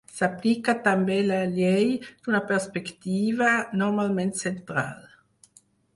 S'aplica també la llei d'una perspectiva, normalment central.